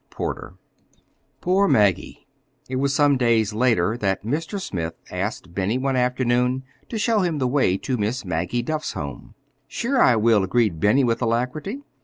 CHAPTER VI POOR MAGGIE It was some days later that Mr. Smith asked Benny one afternoon to show him the way to Miss Maggie Duff's home. "Sure I will," agreed Benny with alacrity.